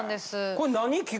これ何？